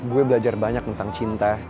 gue belajar banyak tentang cinta